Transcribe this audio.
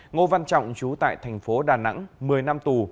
ngô văn trọng chú tại tp đà nẵng một mươi năm tù